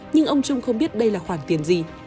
nhưng ông trung không biết đây là khoản tiền gì